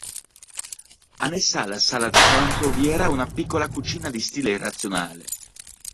Annessa alla sala da pranzo vi era una piccola cucina di stile razionale.